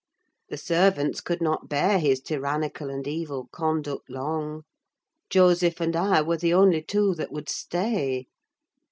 The servants could not bear his tyrannical and evil conduct long: Joseph and I were the only two that would stay.